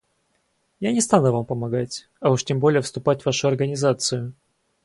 Я не стану вам помогать, а уж тем более вступать в вашу организацию!